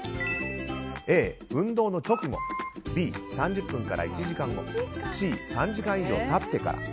Ａ、運動の直後Ｂ、３０分から１時間後Ｃ、３時間以上経ってから。